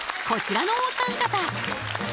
こちらのお三方。